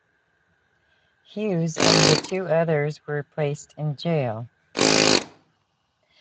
Hughes and the two others were placed in jail.